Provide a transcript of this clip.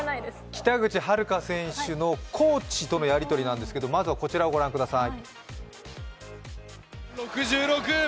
北口榛花選手のコーチとのやりとなんですけど、まずこちらをご覧ください。